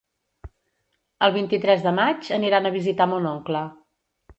El vint-i-tres de maig aniran a visitar mon oncle.